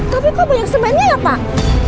tapi kok banyak sebenarnya ya pak